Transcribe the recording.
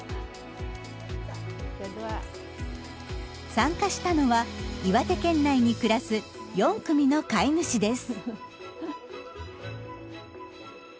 参加したのは岩手県内に暮らす４組の飼い主です。